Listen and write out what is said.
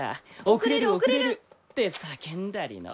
遅れる遅れる！って叫んだりの。